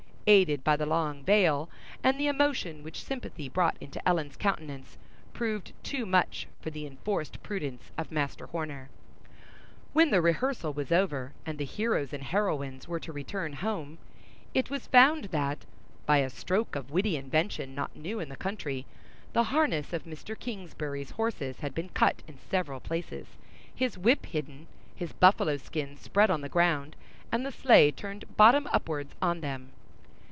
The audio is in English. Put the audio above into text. — aided by the long veil, and the emotion which sympathy brought into Ellen's countenance, proved too much for the enforced prudence of Master Horner. When the rehearsal was over, and the heroes and heroines were to return home, it was found that, by a stroke of witty invention not new in the country, the harness of Mr. Kingsbury's horses had been cut in several places, his whip hidden, his buffalo skins spread on the ground, and the sleigh turned bottom upwards on them.